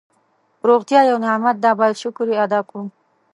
روغتیا یو نعمت ده باید شکر یې ادا کړو.